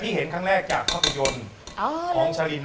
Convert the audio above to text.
ใส่น้ำปลาร้าดิบเลยเหรอนะแม่ไม่ต้องต้มใช่ไหมคะ